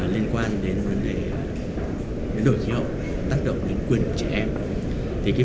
liên quan đến đối với biến đổi khí hậu tác động đến quyền của trẻ em